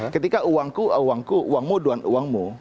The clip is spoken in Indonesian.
ketika uangku uangmu dan uangmu